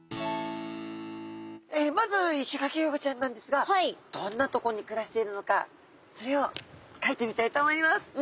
まずイシガキフグちゃんなんですがどんなとこに暮らしているのかそれをかいてみたいと思います。